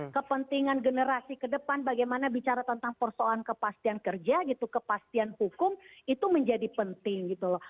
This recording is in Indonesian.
kepentingan generasi kedepan bagaimana bicara tentang persoalan kepastian kerja gitu kepastian hukum itu menjadi penting gitu loh